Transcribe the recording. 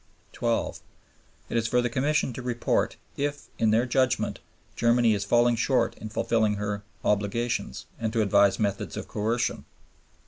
12. It is for the Commission to report if, in their judgment, Germany is falling short in fulfillment of her obligations, and to advise methods of coercion.